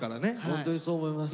本当にそう思います。